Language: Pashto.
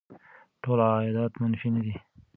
ټول عایدات منفي نه دي.